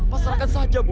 pasarkan saja bu